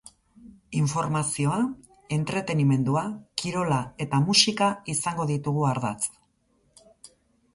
Informazioa, entretenimendua, kirola eta musika izango ditugu ardatz.